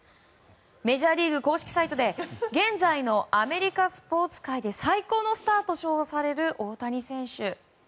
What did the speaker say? メジャーリーグ公式サイトで現在のアメリカスポーツ界で最高のスターと称される大谷選手。